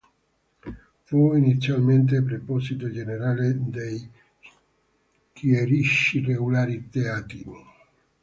Fu inizialmente preposito generale dei Chierici Regolari Teatini.